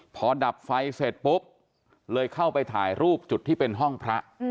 พอดับไฟเสร็จปุ๊บเลยเข้าไปถ่ายรูปจุดที่เป็นห้องพระ